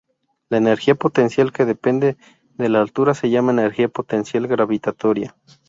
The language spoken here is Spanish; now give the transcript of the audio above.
La energía potencial que depende de la altura se llama energía potencial gravitatoria.